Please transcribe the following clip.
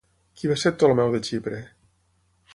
Qui va ser Ptolomeu de Xipre?